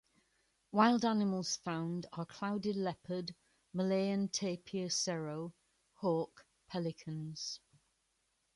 Wild animals found are clouded leopard, Malayan tapir serow, hawk, pelicans.